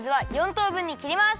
とうぶんにきります。